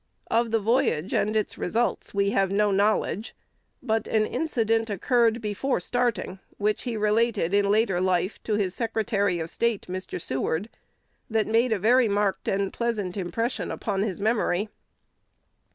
Of the voyage and its results, we have no knowledge; but an incident occurred before starting which he related in later life to his Secretary of State, Mr. Seward, that made a very marked and pleasant impression upon his memory.